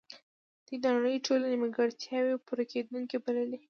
دوی د نړۍ ټولې نیمګړتیاوې پوره کیدونکې بللې